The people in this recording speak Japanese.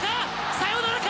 サヨナラか？